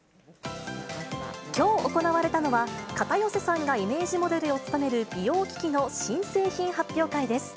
きょう行われたは、片寄さんがイメージモデルを務める美容機器の新製品発表会です。